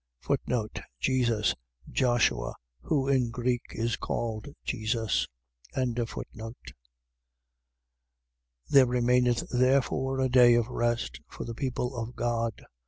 Jesus. . .Josue, who in Greek is called Jesus. 4:9. There remaineth therefore a day of rest for the people of God.